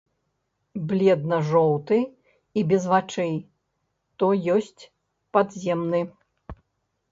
Бледна-жоўты і без вачэй, то ёсць падземны.